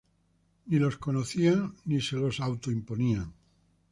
Ni los conocían ni se los auto imponían.